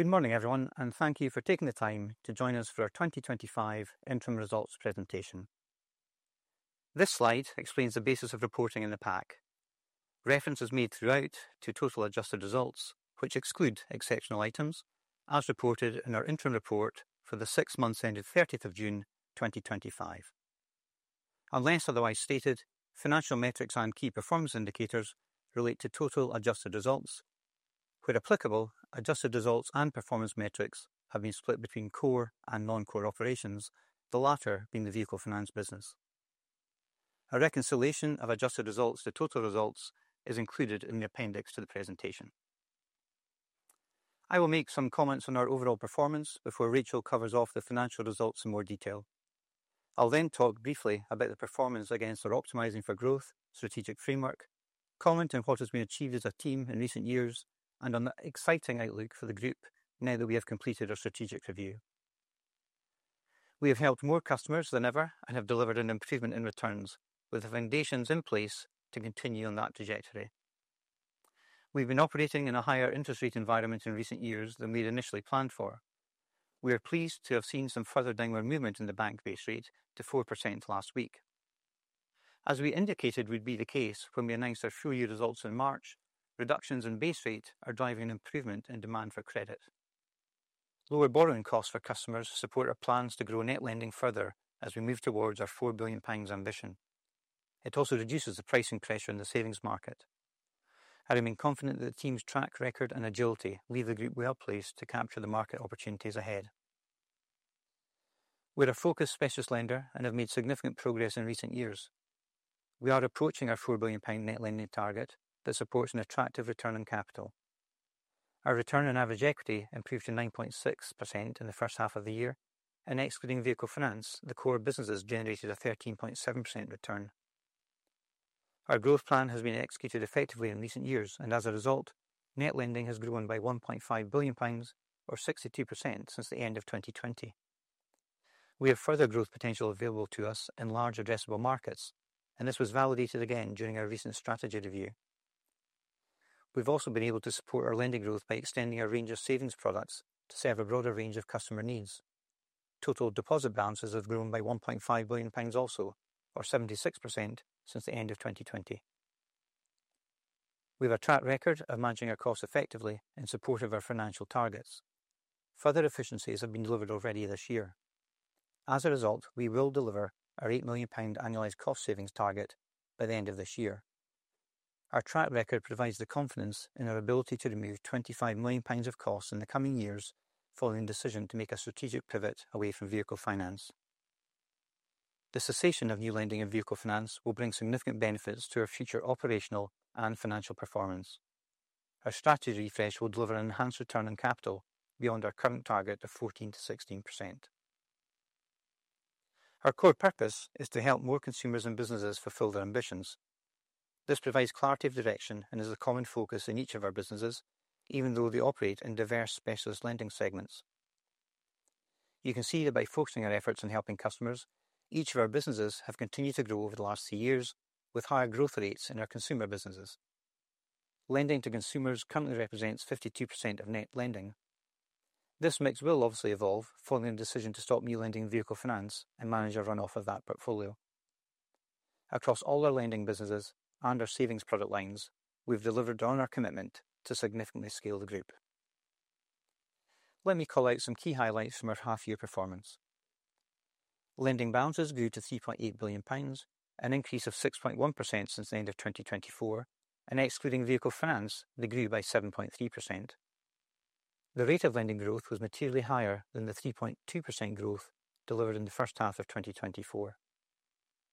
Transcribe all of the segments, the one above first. Good morning everyone, and thank you for taking the time to join us for our 2025 Interim Results Presentation. This slide explains the basis of reporting in the PAC. Reference is made throughout to total adjusted results, which exclude exceptional items, as reported in our interim report for the six months ended June 30, 2025. Unless otherwise stated, financial metrics and key performance indicators relate to total adjusted results. Where applicable, adjusted results and performance metrics have been split between core and non-core operations, the latter being the Vehicle Finance business. A reconciliation of adjusted results to total results is included in the appendix to the presentation. I will make some comments on our overall performance before Rachel covers off the financial results in more detail. I'll then talk briefly about the performance against our Optimizing for Growth strategic framework, comment on what has been achieved as a team in recent years, and on the exciting outlook for the group now that we have completed our strategic review. We have helped more customers than ever and have delivered an improvement in returns, with the foundations in place to continue on that trajectory. We've been operating in a higher interest rate environment in recent years than we'd initially planned for. We are pleased to have seen some further downward movement in the bank base rate to 4% last week. As we indicated would be the case when we announced our full year results in March, reductions in base rate are driving an improvement in demand for credit. Lower borrowing costs for customers support our plans to grow net lending further as we move towards our £4 billion ambition. It also reduces the pricing pressure in the savings market. I remain confident that the team's track record and agility leave the group well placed to capture the market opportunities ahead. We're a focused specialist lender and have made significant progress in recent years. We are approaching our £4 billion net lending target that supports an attractive return on capital. Our return on average equity improved to 9.6% in the first half of the year, and excluding Vehicle Finance, the core businesses generated a 13.7% return. Our growth plan has been executed effectively in recent years, and as a result, net lending has grown by £1.5 billion, or 62% since the end of 2020. We have further growth potential available to us in large addressable markets, and this was validated again during our recent strategy review. We've also been able to support our lending growth by extending our range of savings products to serve a broader range of customer needs. Total deposit balances have grown by £1.5 billion, or 76% since the end of 2020. We have a track record of managing our costs effectively in support of our financial targets. Further efficiencies have been delivered already this year. As a result, we will deliver our £8 million annualized cost savings target by the end of this year. Our track record provides the confidence in our ability to remove £25 million of costs in the coming years following the decision to make a strategic pivot away from Vehicle Finance. The cessation of new lending in Vehicle Finance will bring significant benefits to our future operational and financial performance. Our strategy refresh will deliver an enhanced return on capital beyond our current target of 14%-16%. Our core purpose is to help more consumers and businesses fulfill their ambitions. This provides clarity of direction and is a common focus in each of our businesses, even though they operate in diverse specialist lending segments. You can see that by focusing our efforts on helping customers, each of our businesses has continued to grow over the last few years, with higher growth rates in our consumer businesses. Lending to consumers currently represents 52% of net lending. This mix will obviously evolve following the decision to stop new lending in Vehicle Finance and manage our runoff of that portfolio. Across all our lending businesses and our savings product lines, we've delivered on our commitment to significantly scale the group. Let me call out some key highlights from our half-year performance. Lending balances grew to £3.8 billion, an increase of 6.1% since the end of 2024, and excluding Vehicle Finance, they grew by 7.3%. The rate of lending growth was materially higher than the 3.2% growth delivered in the first half of 2024.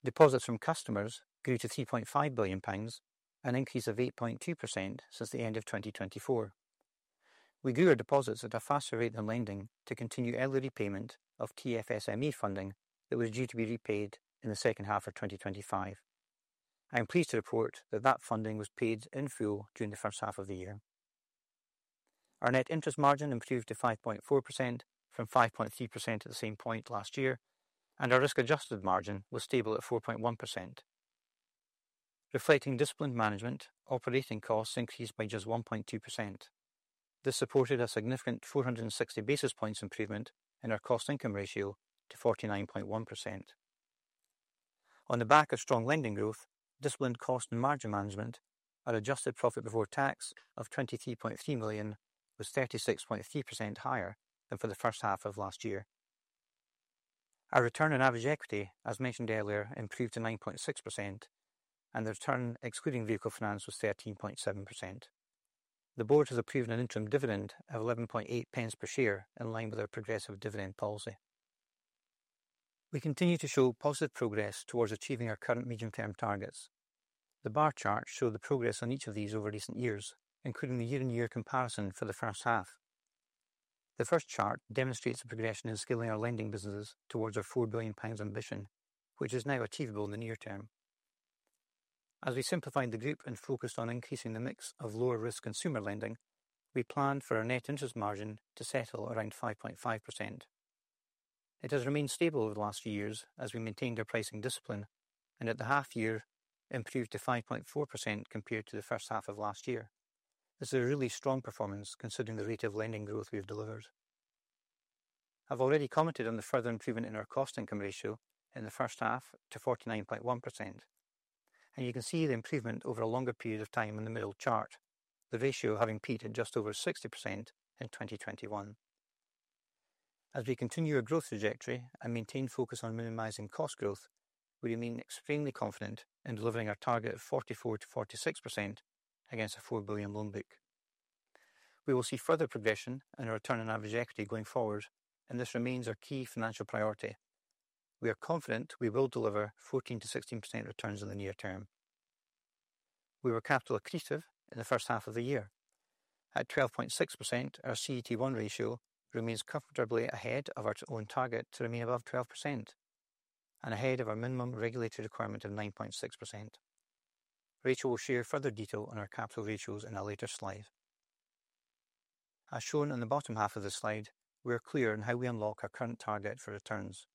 Deposits from customers grew to £3.5 billion, an increase of 8.2% since the end of 2024. We grew our deposits at a faster rate than lending to continue early repayment of TFSME funding that was due to be repaid in the second half of 2025. I am pleased to report that that funding was paid in full during the first half of the year. Our net interest margin improved to 5.4% from 5.3% at the same point last year, and our risk-adjusted margin was stable at 4.1%. Reflecting disciplined management, operating costs increased by just 1.2%. This supported a significant 460 basis points improvement in our cost-income ratio to 49.1%. On the back of strong lending growth, disciplined cost and margin management, our adjusted profit before tax of £23.3 million was 36.3% higher than for the first half of last year. Our return on average equity, as mentioned earlier, improved to 9.6%, and the return excluding Vehicle Finance was 13.7%. The Board has approved an interim dividend of £0.118 per share in line with our progressive dividend policy. We continue to show positive progress towards achieving our current medium-term targets. The bar chart shows the progress on each of these over recent years, including the year-to-year comparison for the first half. The first chart demonstrates the progressn scaling of our lending business towards our £4 billion ambition, which is now achievable in the near term. As we simplified the group and focused on increasing the mix of lower-risk consumer lending, we plan for our net interest margin to settle around 5.5%. It has remained stable over the last few years as we maintained our pricing discipline and at the half-year improved to 5.4% compared to the first half of last year. This is a really strong performance considering the rate of lending growth we've delivered. I've already commented on the further improvement in our cost-income ratio in the first half to 49.1%. You can see the improvement over a longer period of time in the middle chart, the ratio having peaked at just over 60% in 2021. As we continue our growth trajectory and maintain focus on minimizing cost growth, we remain extremely confident in delivering our target of 44%-46% against a £4 billion loan book. We will see further progression in our return on average equity going forward, and this remains our key financial priority. We are confident we will deliver 14%-16% returns in the near term. We were capital accretive in the first half of the year. At 12.6%, our CET1 ratio remains comfortably ahead of our own target to remain above 12% and ahead of our minimum regulatory requirement of 9.6%. Rachel will share further detail on our capital ratios in a later slide. As shown in the bottom half of the slide, we are clear on how we unlock our current target for returns.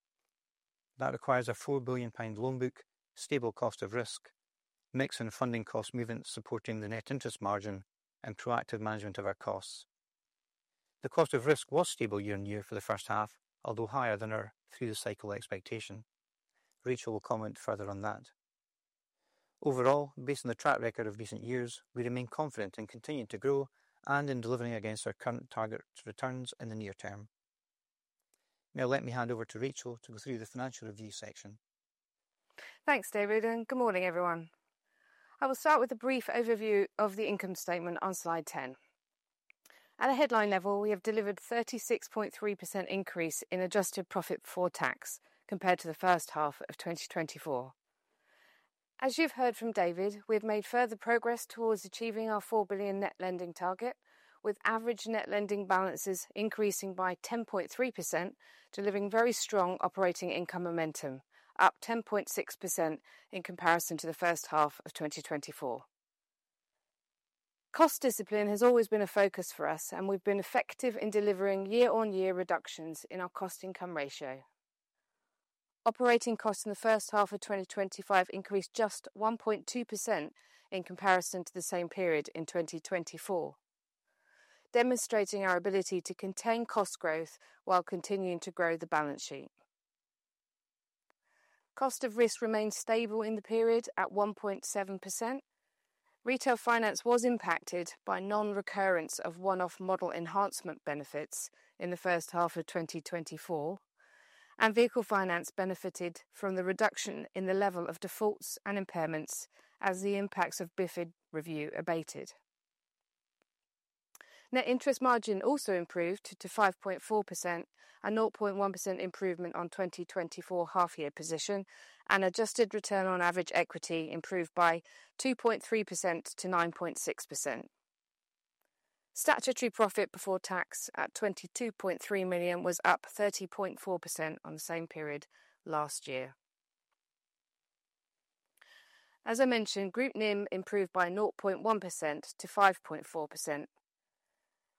That requires a £4 billion loan book, stable cost of risk, mix in funding cost movements supporting the net interest margin, and proactive management of our costs. The cost of risk was stable year-on-year for the first half, although higher than our through the cycle expectation. Rachel will comment further on that. Overall, based on the track record of recent years, we remain confident in continuing to grow and in delivering against our current target returns in the near term. Now let me hand over to Rachel to go through the financial review section. Thanks, David, and good morning everyone. I will start with a brief overview of the income statement on slide 10. At a headline level, we have delivered a 36.3% increase in adjusted profit before tax compared to the first half of 2024. As you've heard from David, we have made further progress towards achieving our £4 billion net lending target, with average net lending balances increasing by 10.3%, delivering very strong operating income momentum, up 10.6% in comparison to the first half of 2024. Cost discipline has always been a focus for us, and we've been effective in delivering year-on-year reductions in our cost-income ratio. Operating costs in the first half of 2025 increased just 1.2% in comparison to the same period in 2024, demonstrating our ability to contain cost growth while continuing to grow the balance sheet. Cost of risk remained stable in the period at 1.7%. Retail Finance was impacted by non-recurrence of one-off model enhancement benefits in the first half of 2024, and Vehicle Finance benefited from the reduction in the level of defaults and impairments as the impacts of BiFID review abated. Net interest margin also improved to 5.4%, a 0.1% improvement on 2024 half-year position, and adjusted return on average equity improved by 2.3%-9.6%. Statutory profit before tax at £22.3 million was up 30.4% on the same period last year. As I mentioned, Group NIM improved by 0.1-5.4%.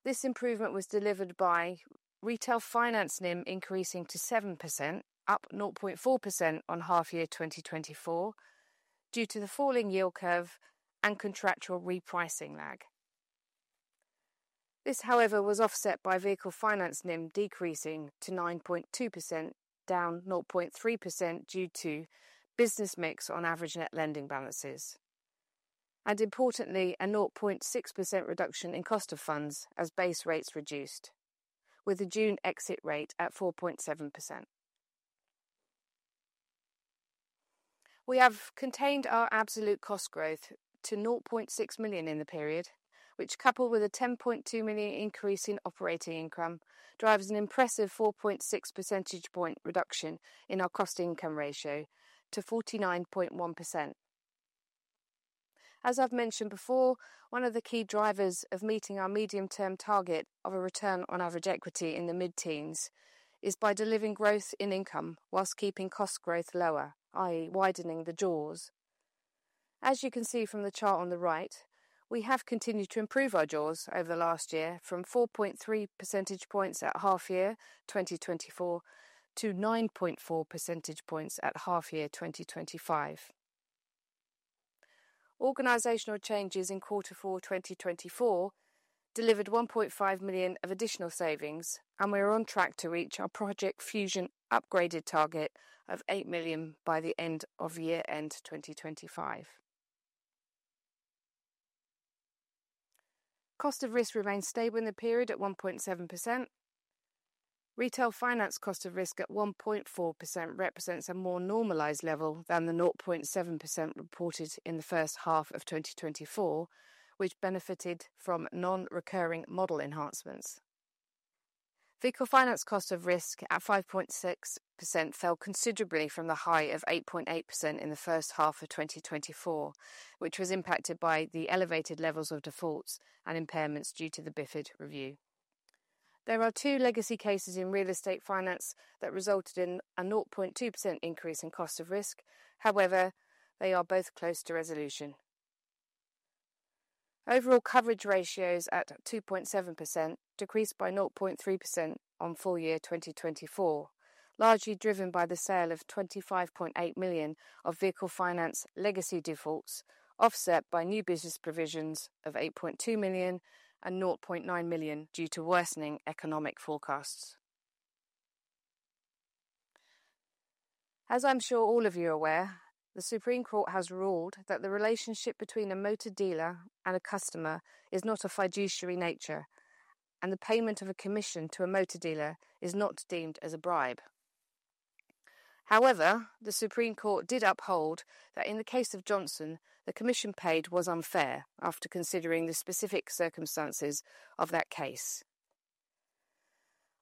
This improvement was delivered by Retail Finance NIM increasing to 7%, up 0.4% on half-year 2024, due to the falling yield curve and contractual repricing lag. This, however, was offset by Vehicle Finance NIM decreasing to 9.2%, down 0.3% due to business mix on average net lending balances. Importantly, a 0.6% reduction in cost of funds as base rates reduced, with a June exit rate at 4.7%. We have contained our absolute cost growth to £0.6 million in the period, which coupled with a £10.2 million increase in operating income drives an impressive 4.6 percentage point reduction in our cost-to-income ratio to 49.1%. As I've mentioned before, one of the key drivers of meeting our medium-term target of a return on average equity in the mid-teens is by delivering growth in income whilst keeping cost growth lower, i.e., widening the draws. As you can see from the chart on the right, we have continued to improve our draws over the last year from 4.3 percentage points at half-year 2024 to 9.4 percentage points at half-year 2025. Organizational changes in quarter four 2024 delivered £1.5 million of additional savings, and we are on track to reach our Project Fusion upgraded target of £8 million by the end of year-end 2025. Cost of risk remains stable in the period at 1.7%. Retail Finance cost of risk at 1.4% represents a more normalized level than the 0.7% reported in the first half of 2024, which benefited from non-recurring model enhancements. Vehicle Finance cost of risk at 5.6% fell considerably from the high of 8.8% in the first half of 2024, which was impacted by the elevated levels of defaults and impairments due to the BiFID review. There are two legacy cases in Real Estate Finance that resulted in a 0.2% increase in cost of risk, however, they are both close to resolution. Overall coverage ratios at 2.7% decreased by 0.3% on full year 2024, largely driven by the sale of £25.8 million of Vehicle Finance legacy defaults, offset by new business provisions of £8.2 million and £0.9 million due to worsening economic forecasts. As I'm sure all of you are aware, the Supreme Court has ruled that the relationship between a motor dealer and a customer is not of fiduciary nature, and the payment of a commission to a motor dealer is not deemed as a bribe. However, the Supreme Court did uphold that in the case of Johnson, the commission paid was unfair after considering the specific circumstances of that case.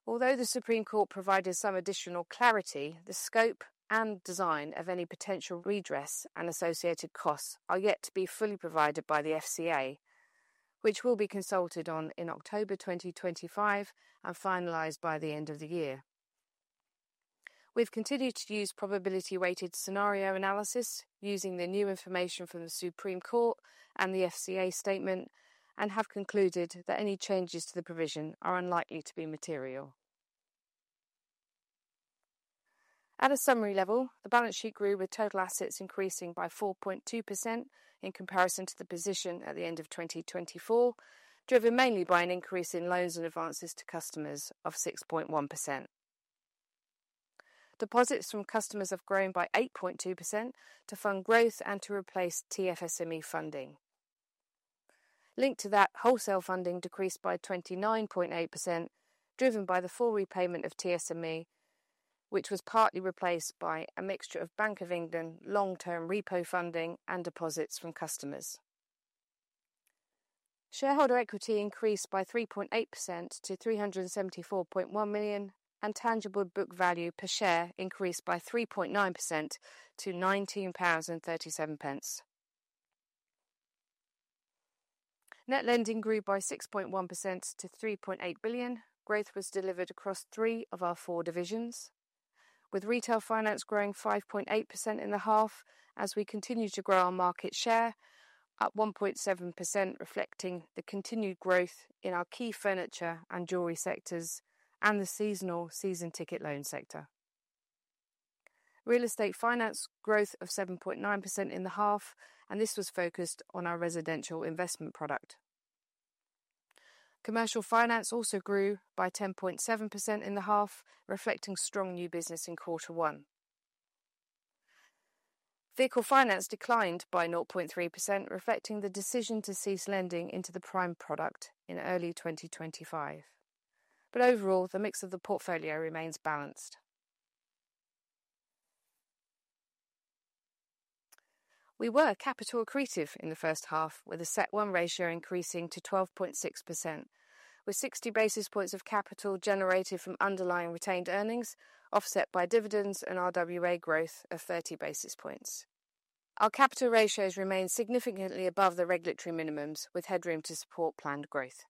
Although the Supreme Court provided some additional clarity, the scope and design of any potential redress and associated costs are yet to be fully provided by the FCA, which will be consulted on in October 2025 and finalized by the end of the year. We've continued to use probability-weighted scenario analysis using the new information from the Supreme Court and the FCA statement and have concluded that any changes to the provision are unlikely to be material. At a summary level, the balance sheet grew with total assets increasing by 4.2% in comparison to the position at the end of 2024, driven mainly by an increase in loans and advances to customers of 6.1%. Deposits from customers have grown by 8.2% to fund growth and to replace TFSME funding. Linked to that, wholesale funding decreased by 29.8%, driven by the full repayment of TFSME, which was partly replaced by a mixture of Bank of England long-term repo funding and deposits from customers. Shareholder equity increased by 3.8% to £374.1 million, and tangible book value per share increased by 3.9% to £19.37. Net lending grew by 6.1% to £3.8 billion. Growth was delivered across three of our four divisions, with Retail Finance growing 5.8% in the half as we continued to grow our market share, up 1.7%, reflecting the continued growth in our key furniture and jewelry sectors and the seasonal season ticket loan sector. Real Estate Finance grew 7.9% in the half, and this was focused on our residential investment product. Commercial Finance also grew by 10.7% in the half, reflecting strong new business in quarter one. Vehicle Finance declined by 0.3%, reflecting the decision to cease lending into the prime product in early 2025. Overall, the mix of the portfolio remains balanced. We were capital accretive in the first half, with a CET1 ratio increasing to 12.6%, with 60 basis points of capital generated from underlying retained earnings, offset by dividends and RWA growth of 30 basis points. Our capital ratios remained significantly above the regulatory minimums, with headroom to support planned growth.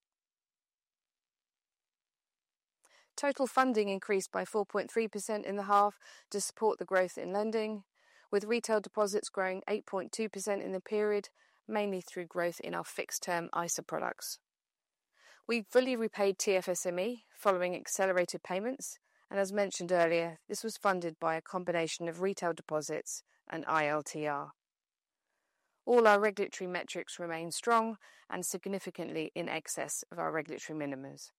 Total funding increased by 4.3% in the half to support the growth in lending, with retail deposits growing 8.2% in the period, mainly through growth in our fixed-term ISA products. We fully repaid TFSME following accelerated payments, and as mentioned earlier, this was funded by a combination of retail deposits and ILTR. All our regulatory metrics remained strong and significantly in excess of our regulatory minimums.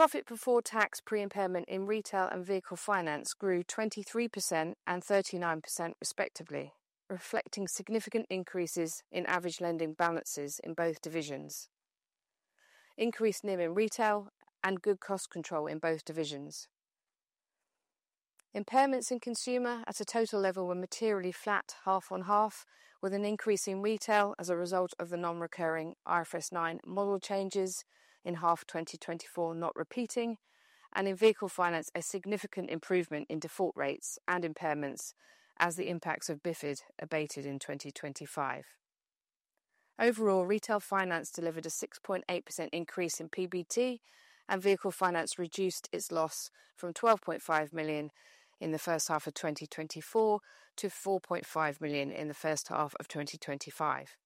Profit before tax pre-impairment in Retail and Vehicle Finance grew 23% and 39% respectively, reflecting significant increases in average lending balances in both divisions, increased NIM in retail, and good cost control in both divisions. Impairments in consumer at a total level were materially flat half on half, with an increase in retail as a result of the non-recurring IRFS 9 model changes in half 2024 not repeating, and in Vehicle Finance a significant improvement in default rates and impairments as the impacts of BiFID abated in 2025. Overall, Retail Finance delivered a 6.8% increase in PBT, and Vehicle Finance reduced its loss from £12.5 million in the first half of 2024 to £4.5 million in the first half of 2025.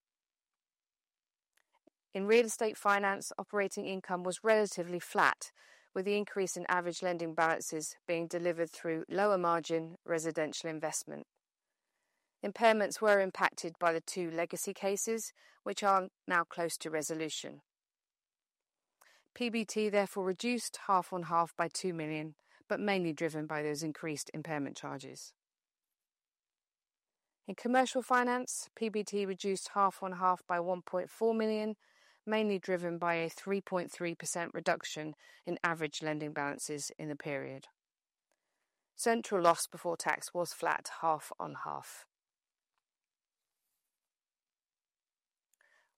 In Real Estate Finance, operating income was relatively flat, with the increase in average lending balances being delivered through lower margin residential investment. Impairments were impacted by the two legacy cases, which are now close to resolution. PBT therefore reduced half on half by £2 million, but mainly driven by those increased impairment charges. In Commercial Finance, PBT reduced half on half by £1.4 million, mainly driven by a 3.3% reduction in average lending balances in the period. Central loss before tax was flat half on half.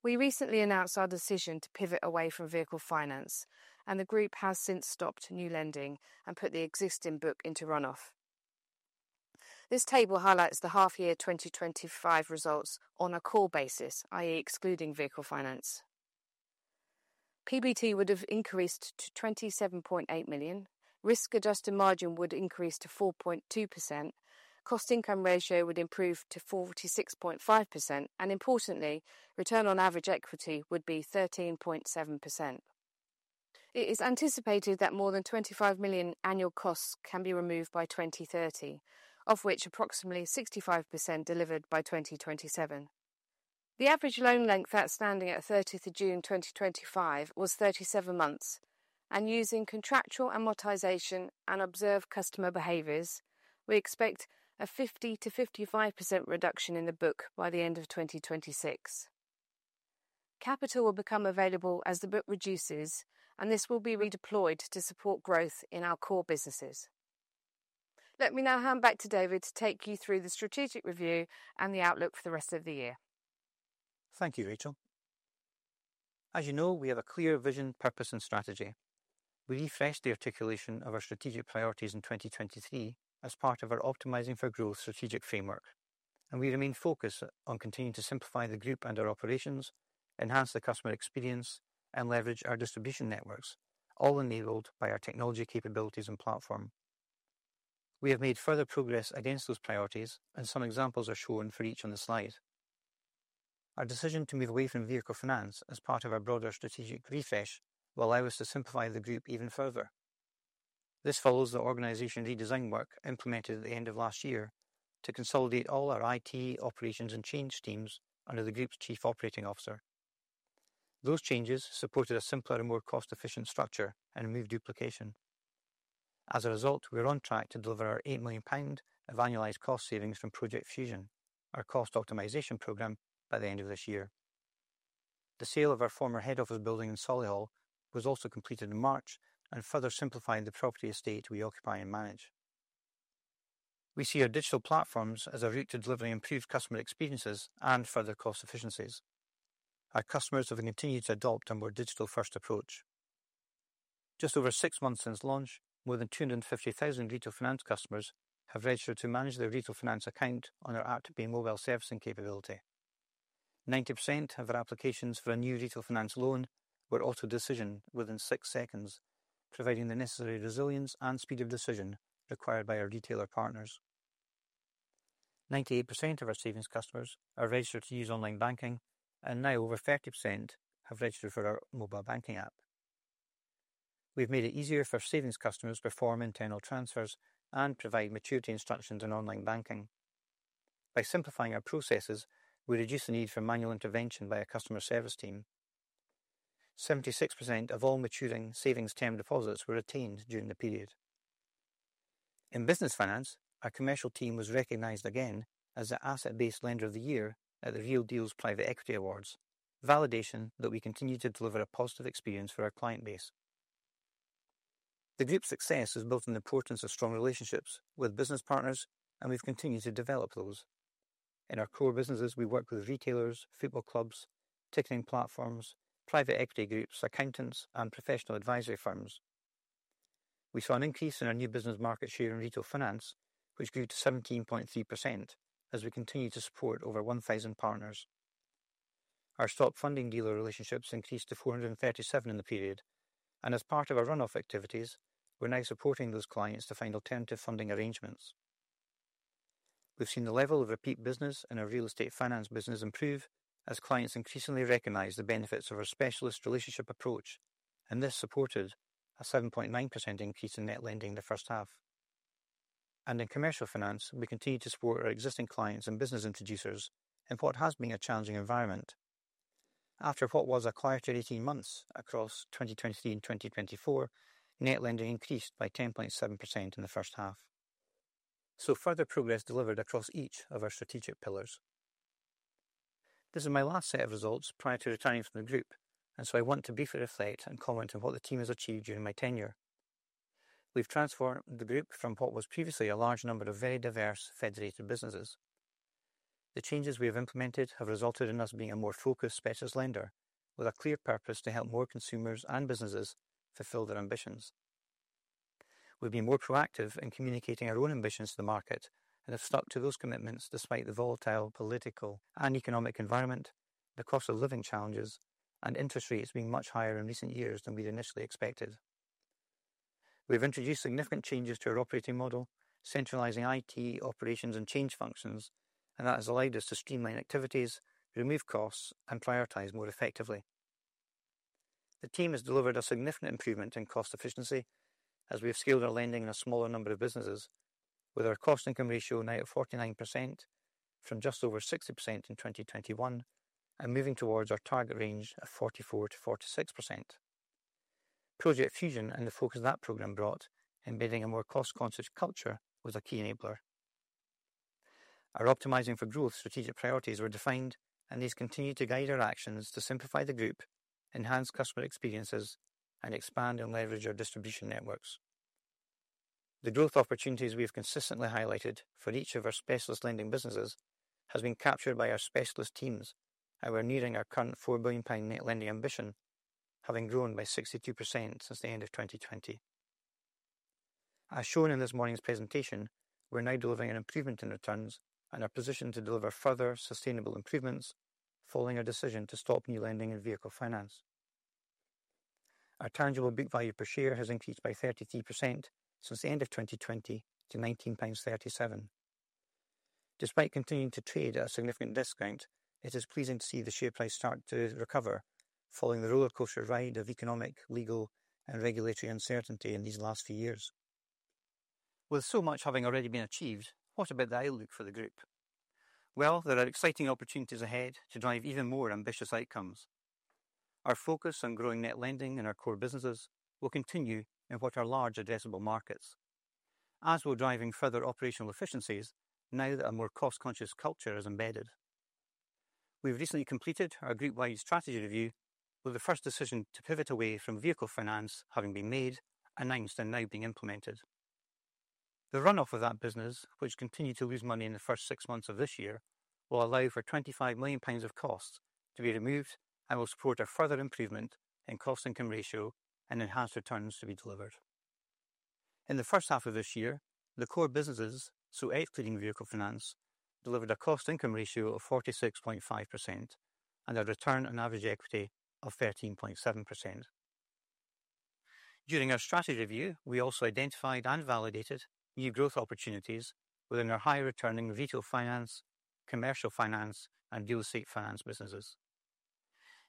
We recently announced our decision to pivot away from Vehicle Finance, and the group has since stopped new lending and put the existing book into runoff. This table highlights the half-year 2025 results on a core basis, i.e., excluding Vehicle Finance. PBT would have increased to £27.8 million, risk-adjusted margin would increase to 4.2%, cost-income ratio would improve to 46.5%, and importantly, return on average equity would be 13.7%. It is anticipated that more than £25 million annual costs can be removed by 2030, of which approximately 65% delivered by 2027. The average loan length outstanding at 30th of June 2025 was 37 months, and using contractual amortization and observed customer behaviors, we expect a 50%-55% reduction in the book by the end of 2026. Capital will become available as the book reduces, and this will be redeployed to support growth in our core businesses. Let me now hand back to David to take you through the strategic review and the outlook for the rest of the year. Thank you, Rachel. As you know, we have a clear vision, purpose, and strategy. We refreshed the articulation of our strategic priorities in 2023 as part of our Optimizing for Growth strategic framework, and we remain focused on continuing to simplify the group and our operations, enhance the customer experience, and leverage our distribution networks, all enabled by our technology capabilities and platform. We have made further progress against those priorities, and some examples are shown for each on the slide. Our decision to move away from Vehicle Finance as part of our broader strategic refresh will allow us to simplify the group even further. This follows the organization redesign work implemented at the end of last year to consolidate all our IT operations and change teams under the group's Chief Operating Officer. Those changes supported a simpler and more cost-efficient structure and removed duplication. As a result, we're on track to deliver our £8 million of annualized cost savings from Project Fusion, our cost optimization program, by the end of this year. The sale of our former head office building in Solihull was also completed in March, further simplifying the property estate we occupy and manage. We see our digital platforms as a route to delivering improved customer experiences and further cost efficiencies. Our customers have continued to adopt a more digital-first approach. Just over six months since launch, more than 250,000 Retail Finance customers have registered to manage their Retail Finance account on our app to be a mobile servicing capability. 90% of our applications for a new Retail Finance loan were auto-decisioned within six seconds, providing the necessary resilience and speed of decision required by our retailer partners. 98% of our savings customers are registered to use online banking, and now over 30% have registered for our mobile banking app. We've made it easier for savings customers to perform internal transfers and provide maturity instructions in online banking. By simplifying our processes, we reduce the need for manual intervention by a customer service team. 76% of all maturing savings term deposits were attained during the period. In Business Finance, our Commercial team was recognized again as the asset-based lender of the year at the Real Deals Private Equity Awards, validation that we continue to deliver a positive experience for our client base. The group's success is built on the importance of strong relationships with business partners, and we've continued to develop those. In our core businesses, we work with retailers, football clubs, ticketing platforms, private equity groups, accountants, and professional advisory firms. We saw an increase in our new business market share in Retail Finance, which grew to 17.3% as we continue to support over 1,000 partners. Our stock funding dealer relationships increased to 437 in the period, and as part of our runoff activities, we're now supporting those clients to find alternative funding arrangements. We've seen the level of repeat business in our Real Estate Finance business improve as clients increasingly recognize the benefits of our specialist-relationship approach, and this supported a 7.9% increase in net lending in the first half. In Commercial Finance, we continue to support our existing clients and business introducers in what has been a challenging environment. After what was a quieter 18 months across 2023 and 2024, net lending increased by 10.7% in the first half. Further progress delivered across each of our strategic pillars. This is my last set of results prior to retiring from the group, and I want to briefly reflect and comment on what the team has achieved during my tenure. We've transformed the group from what was previously a large number of very diverse, federated businesses. The changes we have implemented have resulted in us being a more focused specialist lender with a clear purpose to help more consumers and businesses fulfill their ambitions. We've been more proactive in communicating our own ambitions to the market and have stuck to those commitments despite the volatile political and economic environment, the cost of living challenges, and interest rates being much higher in recent years than we'd initially expected. We've introduced significant changes to our operating model, centralizing IT operations and change functions, and that has allowed us to streamline activities, remove costs, and prioritize more effectively. The team has delivered a significant improvement in cost efficiency as we've scaled our lending in a smaller number of businesses, with our cost-income ratio now at 49% from just over 60% in 2021 and moving towards our target range of 44%-46%. Project Fusion and the focus that program brought, embedding a more cost-conscious culture, was a key enabler. Our Optimizing for Growth strategic priorities were defined, and these continue to guide our actions to simplify the group, enhance customer experiences, and expand and leverage our distribution networks. The growth opportunities we've consistently highlighted for each of our specialist lending businesses have been captured by our specialist teams, and we're nearing our current £4 billion net lending ambition, having grown by 62% since the end of 2020. As shown in this morning's presentation, we're now delivering an improvement in returns and are positioned to deliver further sustainable improvements following our decision to stop new lending in Vehicle Finance. Our tangible book value per share has increased by 33% since the end of 2020 to £19.37. Despite continuing to trade at a significant discount, it is pleasing to see the share price start to recover following the rollercoaster ride of economic, legal, and regulatory uncertainty in these last few years. With so much having already been achieved, what about the outlook for the group? There are exciting opportunities ahead to drive even more ambitious outcomes. Our focus on growing net lending in our core businesses will continue in what are large addressable markets, as will driving further operational efficiencies now that a more cost-conscious culture is embedded. We've recently completed our group-wide strategy review with the first decision to pivot away from Vehicle Finance having been made, announced, and now being implemented. The runoff of that business, which continued to lose money in the first six months of this year, will allow for £25 million of cost to be removed and will support a further improvement in cost-income ratio and enhanced returns to be delivered. In the first half of this year, the core businesses, so excluding Vehicle Finance, delivered a cost-income ratio of 46.5% and a return on average equity of 13.7%. During our strategy review, we also identified and validated new growth opportunities within our high-returning Retail Finance, Commercial Finance, and Real Estate Finance businesses.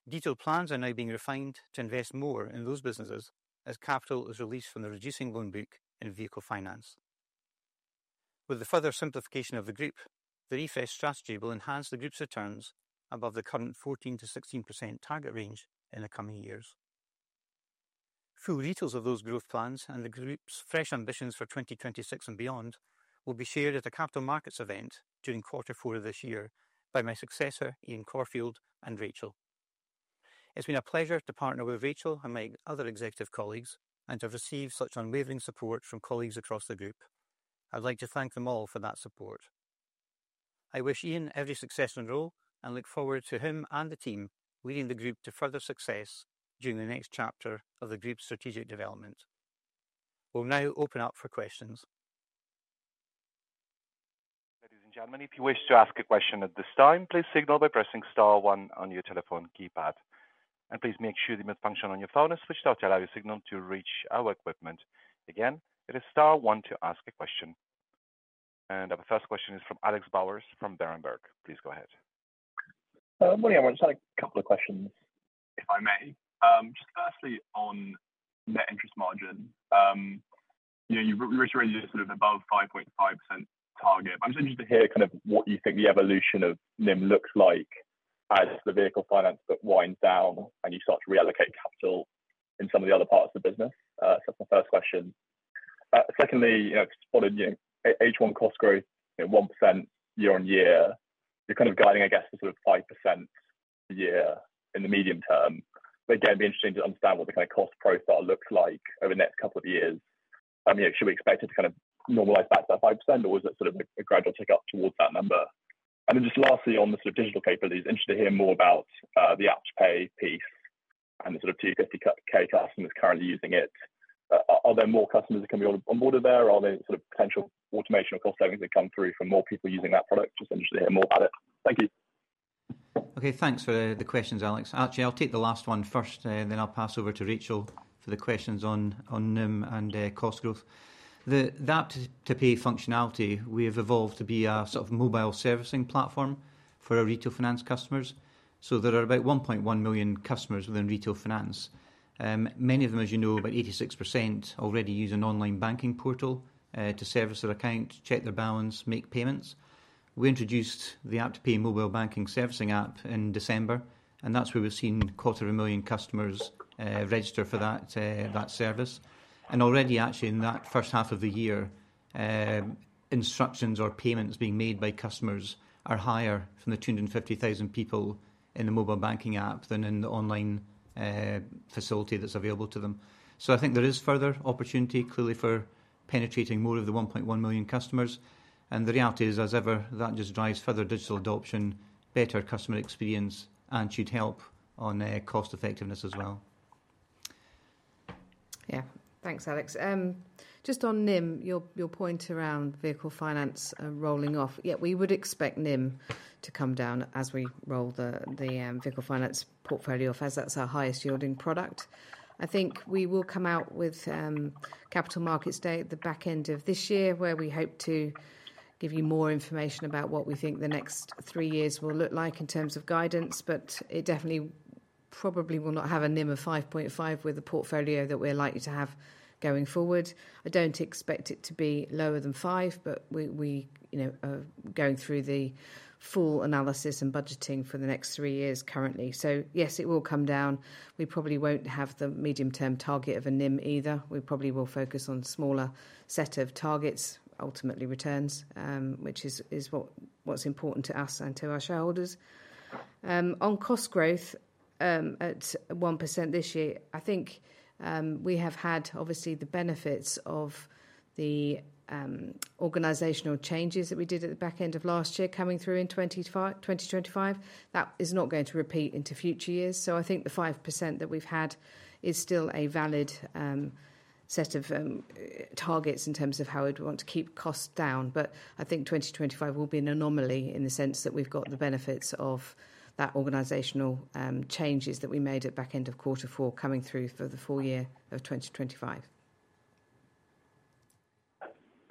Detailed plans are now being refined to invest more in those businesses as capital is released from the reducing loan book in Vehicle Finance. With the further simplification of the group, the refresh strategy will enhance the group's returns above the current 14%-16% target range in the coming years. Full details of those growth plans and the group's fresh ambitions for 2026 and beyond will be shared at the capital markets event during quarter four of this year by my successor, Ian Caulfield, and Rachel. It's been a pleasure to partner with Rachel and my other executive colleagues and to receive such unwavering support from colleagues across the group. I'd like to thank them all for that support. I wish Ian every success in his role and look forward to him and the team leading the group to further success during the next chapter of the group's strategic development. We'll now open up for questions. That is in Germany. If you wish to ask a question at this time, please signal by pressing star one on your telephone keypad. Please make sure the mute function on your phone is switched on to allow your signal to reach our equipment. Again, it is star one to ask a question. Our first question is from Alex Bowers from Berenberg. Please go ahead. Morning everyone, just had a couple of questions, if I may. Firstly, on net interest margin, you know, your recurring discipline is above 5.5% target. I'm just interested to hear kind of what you think the evolution of NIM looks like as the Vehicle Finance book winds down and you start to reallocate capital in some of the other parts of the business. That's my first question. Secondly, you know, it's followed H1 cost growth, you know, 1% year-on-year. You're kind of guiding, I guess, the sort of 5% a year in the medium term. It'd be interesting to understand what the kind of cost profile looks like over the next couple of years. I mean, should we expect it to kind of normalize back to that 5% or is it sort of a gradual tick up towards that number? Lastly, on the sort of digital capabilities, I'm interested to hear more about the app to pay piece and the sort of £250,000 per customer that's currently using it. Are there more customers that are coming on board there? Are there sort of potential automation or cost savings that come through for more people using that product? Just interested to hear more. Okay, thanks for the questions, Alex. Actually, I'll take the last one first, and then I'll pass over to Rachel for the questions on NIM and cost growth. The app to pay functionality, we have evolved to be our sort of mobile servicing platform for our Retail Finance customers. There are about 1.1 million customers within Retail Finance. Many of them, as you know, about 86% already use an online banking portal to service their account, check their balance, make payments. We introduced the mobile servicing app in December, and that's where we've seen a quarter of a million customers register for that service. Already, in that first half of the year, instructions or payments being made by customers are higher from the 250,000 people in the mobile servicing app than in the online facility that's available to them. I think there is further opportunity clearly for penetrating more of the 1.1 million customers. The reality is, as ever, that just drives further digital adoption, better customer experience, and should help on cost effectiveness as well. Yeah, thanks Alex. Just on NIM, your point around Vehicle Finance rolling off, yeah, we would expect NIM to come down as we roll the Vehicle Finance portfolio off, as that's our highest yielding product. I think we will come out with capital markets data at the back end of this year where we hope to give you more information about what we think the next three years will look like in terms of guidance, but it definitely probably will not have a NIM of 5.5% with the portfolio that we're likely to have going forward. I don't expect it to be lower than 5%, but we, you know, are going through the full analysis and budgeting for the next three years currently. Yes, it will come down. We probably won't have the medium-term target of a NIM either. We probably will focus on a smaller set of targets, ultimately returns, which is what's important to us and to our shareholders. On cost growth, at 1% this year, I think we have had obviously the benefits of the organizational changes that we did at the back end of last year coming through in 2025. That is not going to repeat into future years. I think the 5% that we've had is still a valid set of targets in terms of how we'd want to keep costs down. I think 2025 will be an anomaly in the sense that we've got the benefits of that organizational changes that we made at the back end of quarter four coming through for the full year of 2025.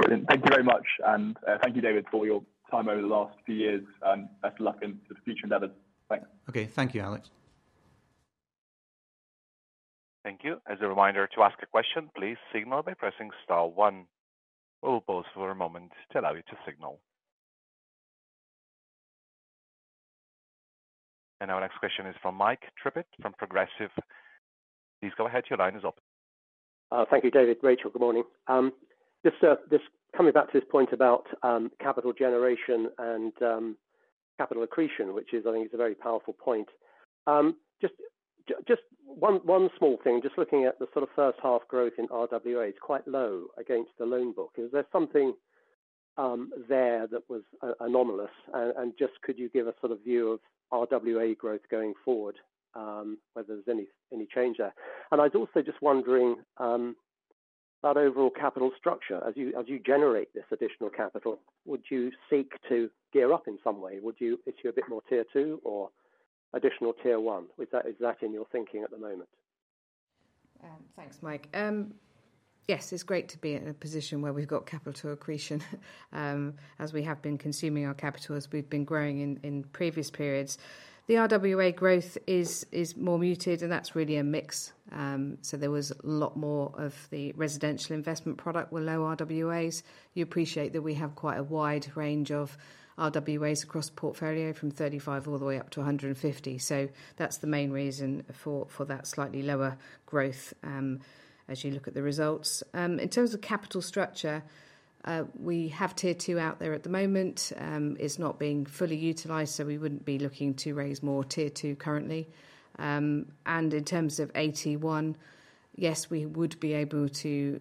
Thank you very much, and thank you, David, for your time over the last few years, and best of luck in your future endeavors. Okay, thank you, Alex. Thank you. As a reminder, to ask a question, please signal by pressing star one. We'll pause for a moment to allow you to signal. Our next question is from Mike Trippitt from Progressive. Please go ahead, your line is up. Thank you, David. Rachel, good morning. Just coming back to this point about capital generation and capital accretion, which is, I think, a very powerful point. Just one small thing, just looking at the sort of third-part growth in RWA, it's quite low against the loan book. Is there something there that was anomalous? Could you give a sort of view of RWA growth going forward, whether there's any change there? I'd also just wondering, that overall capital structure, as you generate this additional capital, would you seek to gear up in some way? Would you issue a bit more Tier2 or additional Tier 1? Is that in your thinking at the moment? Thanks, Mike. Yes, it's great to be in a position where we've got capital accretion, as we have been consuming our capital as we've been growing in previous periods. The RWA growth is more muted, and that's really a mix. There was a lot more of the residential investment product where low RWAs. You appreciate that we have quite a wide range of RWAs across the portfolio from 35% all the way up to 150%. That's the main reason for that slightly lower growth as you look at the results. In terms of capital structure, we have tier two out there at the moment. It's not being fully utilized, so we wouldn't be looking to raise more tier two currently. In terms of AT1, yes, we would be able to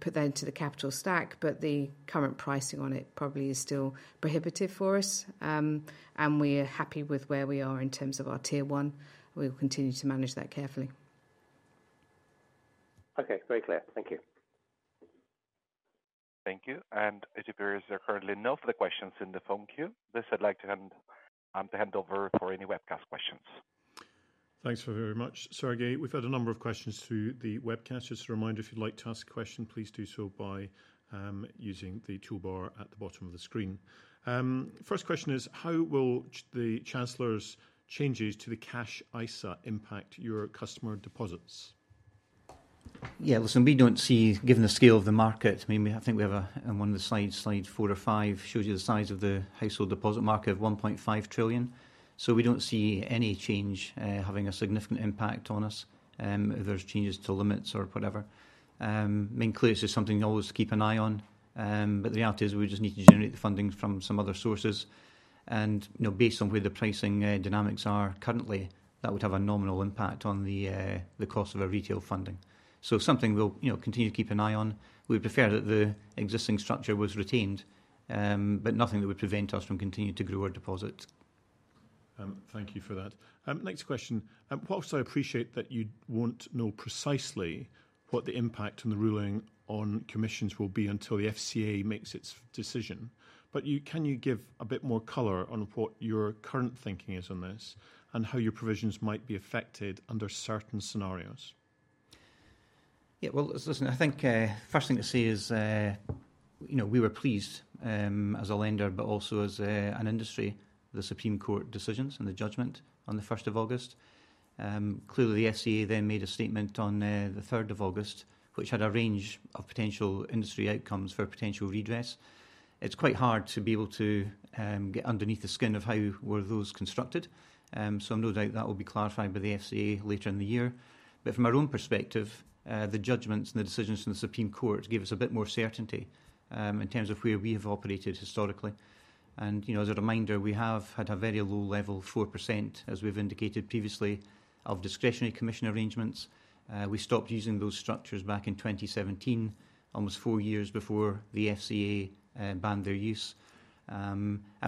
put that into the capital stack, but the current pricing on it probably is still prohibitive for us. We are happy with where we are in terms of our tier one. We'll continue to manage that carefully. Okay, very clear. Thank you. Thank you. It appears there are currently no further questions in the phone queue. I'd like to hand over for any webcast questions. Thanks very much, Sergei. We've had a number of questions through the webcast. Just a reminder, if you'd like to ask a question, please do so by using the toolbar at the bottom of the screen. First question is, how will the Chancellor's changes to the cash ISA impact your customer deposits? Yeah, listen, we don't see, given the scale of the market, I mean, I think we have one of the slides, slides four or five, shows you the size of the household deposit market of £1.5 trillion. We don't see any change having a significant impact on us, whether it's changes to limits or whatever. Main clearance is something we always keep an eye on. The reality is we just need to generate the funding from some other sources. Based on where the pricing dynamics are currently, that would have a nominal impact on the cost of our retail funding. It's something we'll continue to keep an eye on. We prefer that the existing structure was retained, but nothing that would prevent us from continuing to grow our deposit. Thank you for that. Next question. Whilst I appreciate that you won't know precisely what the impact on the ruling on commissions will be until the FCA makes its decision, can you give a bit more color on what your current thinking is on this and how your provisions might be affected under certain scenarios? I think the first thing to see is, you know, we were pleased as a lender, but also as an industry, the Supreme Court decisions and the judgment on 1st of August. Clearly, the FCA then made a statement on 3rd of August, which had a range of potential industry outcomes for a potential redress. It's quite hard to be able to get underneath the skin of how those were constructed. I'm no doubt that will be clarified by the FCA later in the year. From our own perspective, the judgments and the decisions from the Supreme Court give us a bit more certainty in terms of where we have operated historically. As a reminder, we have had a very low level, 4%, as we've indicated previously, of discretionary commission arrangements. We stopped using those structures back in 2017, almost four years before the FCA banned their use.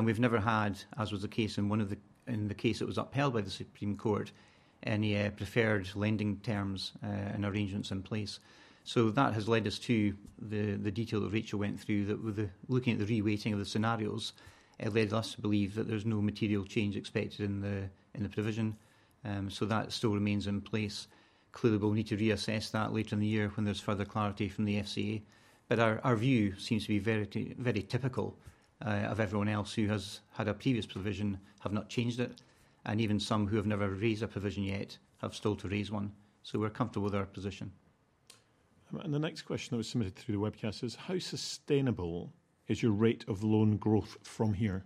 We've never had, as was the case in the case that was upheld by the Supreme Court, any preferred lending terms and arrangements in place. That has led us to the detail that Rachel went through, that with looking at the reweighting of the scenarios, it led us to believe that there's no material change expected in the provision. That still remains in place. Clearly, we'll need to reassess that later in the year when there's further clarity from the FCA. Our view seems to be very, very typical of everyone else who has had a previous provision, have not changed it. Even some who have never raised a provision yet have still to raise one. We're comfortable with our position. The next question that was submitted through the webcast is, how sustainable is your rate of loan growth from here?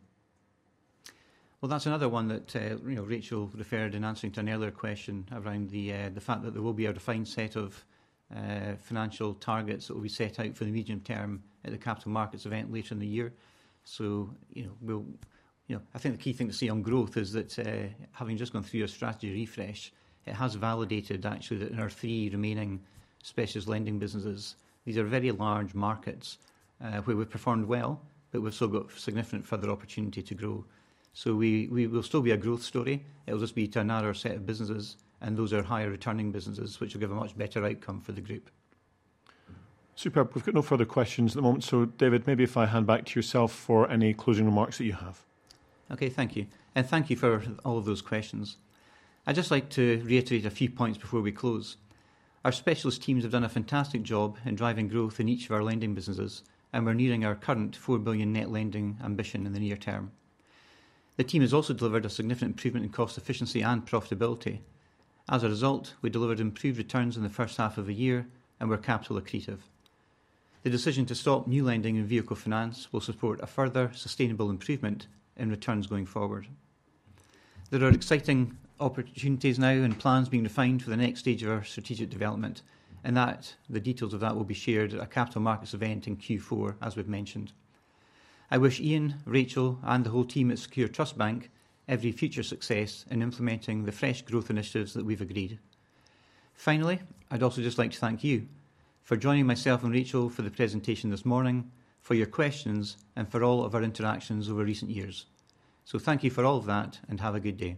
That's another one that, you know, Rachel referred to in answering an earlier question around the fact that there will be a defined set of financial targets that will be set out for the medium term at the capital markets event later in the year. I think the key thing to see on growth is that having just gone through your strategy refresh, it has validated actually that in our three remaining specialist lending businesses, these are very large markets where we performed well, but we've still got significant further opportunity to grow. We will still be a growth story. It'll just be to another set of businesses, and those are higher returning businesses, which will give a much better outcome for the group. Superb. We've got no further questions at the moment. David, maybe if I hand back to yourself for any closing remarks that you have. Okay, thank you. Thank you for all of those questions. I'd just like to reiterate a few points before we close. Our specialist teams have done a fantastic job in driving growth in each of our lending businesses, and we're nearing our current £4 billion net lending ambition in the near term. The team has also delivered a significant improvement in cost efficiency and profitability. As a result, we delivered improved returns in the first half of the year, and we're capital accretive. The decision to stop new lending in Vehicle Finance will support a further sustainable improvement in returns going forward. There are exciting opportunities now and plans being refined for the next stage of our strategic development, and the details of that will be shared at a capital markets event in Q4, as we've mentioned. I wish Ian, Rachel, and the whole team at Secure Trust Bank every future success in implementing the fresh growth initiatives that we've agreed. Finally, I'd also just like to thank you for joining myself and Rachel for the presentation this morning, for your questions, and for all of our interactions over recent years. Thank you for all of that, and have a good day.